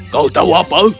kau tahu apa